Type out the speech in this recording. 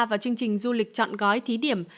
vào chương trình du lịch chọn gói thí điểm